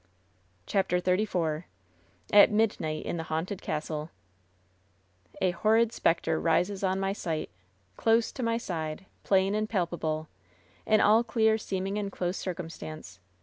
CHAPTER XLIV AT laDNIGHT IK THB HAITNTED OASTUi A horrid specter rises on my sight Close to my side, plain and palpable In all clear seeming and close circumstance.